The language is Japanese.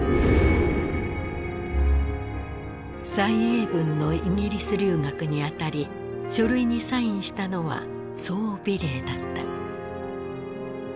蔡英文のイギリス留学にあたり書類にサインしたのは宋美齢だった。